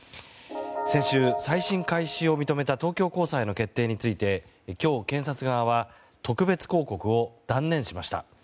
先週、再審開始を認めた東京高裁の決定について今日、検察側は特別抗告を断念しました。